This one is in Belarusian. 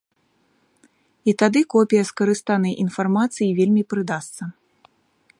І тады копія скарыстанай інфармацыі вельмі прыдасца.